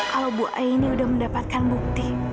kalau bu aini sudah mendapatkan bukti